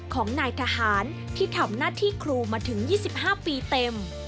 ของนายทหารที่ทำหน้าที่ครูมาถึง๒๕ปีเต็ม